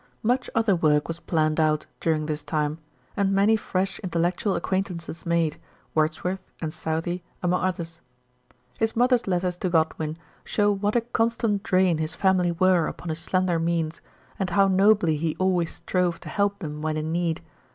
Much other work was planned out during this time, and many fresh intellectual acquaintances made, Words worth and Southey among others. His mother's letters to Godwin show what a constant drain his family were upon his slender means, and how nobly he always strove to help them when in need.